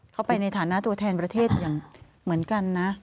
ไปในฐานะตัวแทนประเทศอย่างเหมือนกันนะ